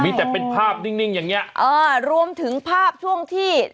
มีแต่เป็นภาพนิ่งนิ่งอย่างเงี้เออรวมถึงภาพช่วงที่